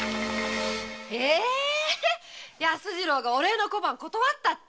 安次郎がお礼の小判断ったって？